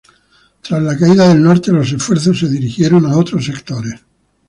Tras la caída del Norte, los esfuerzos se dirigieron a otros sectores.